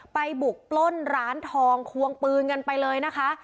ไปบุกปล้นร้านทองควงปืนกันไปเลยนะคะ